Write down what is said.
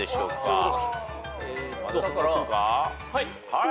はい。